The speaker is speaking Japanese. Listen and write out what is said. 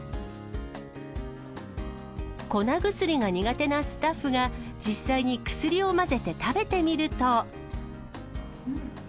粉薬が苦手なスタッフが、実際に薬を混ぜて食べてみると。